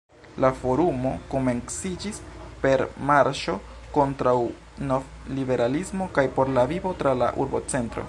La forumo komenciĝis per “marŝo kontraŭ novliberalismo kaj por la vivo tra la urbocentro.